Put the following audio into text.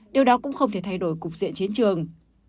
điều đó cũng không thể thay đổi cục diện chiến trường